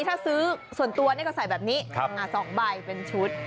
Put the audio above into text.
ถ้าซื้อส่วนตัวนี่ก็ใส่แบบนี้๒ใบเป็นชุด